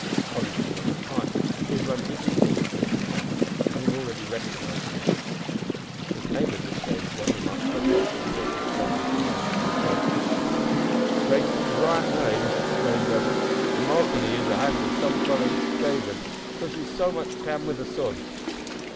Tolly did not reply, for he had run eagerly forward to meet the trapper, having already recognised him. "His name is a strange one," remarked Fred Westly, gazing steadily at the man as he approached. "Drake is his right name," explained Bevan, "an' Mahoghany is a handle some fellers gave him 'cause he's so much tanned wi' the sun.